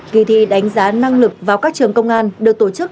kỳ thi đánh giá năng lực vào các trường công an được tổ chức